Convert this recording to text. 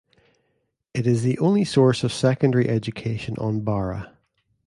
It is the only source of secondary education on Barra.